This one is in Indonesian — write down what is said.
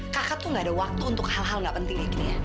kakak tuh gak ada waktu untuk hal hal gak penting kayak gini ya